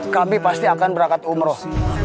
kami pasti akan berangkat umroh